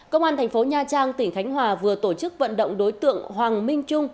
công an thành phố nha trang tỉnh khánh hòa vừa tổ chức vận động đối tượng hoàng minh trung